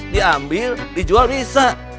diambil dijual bisa